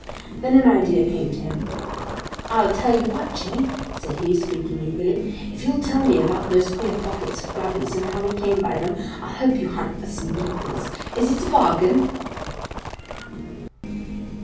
Then an idea came to him. "I tell you what, Jimmy," said he, speaking eagerly, "if you'll tell me about those queer pockets of Grubby's and how he came by them, I'll help you hunt for some beetles. Is it a bargain?"